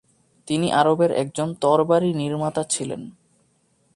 তিনি আরবের একজন তরবারি নির্মাতা ছিলেন।